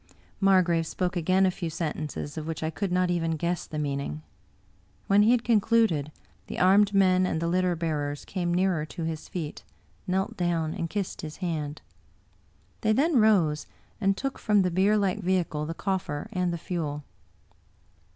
Mar grave spoke again a few sentences, of which I could not even guess the meaning. When he had concluded, the armed men and the litter bearers came nearer to his feet, knelt down, and kissed his hand. They then rose, and took from the bierlike vehicle the coffer and the fuel.